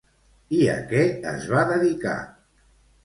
I a què es va dedicar?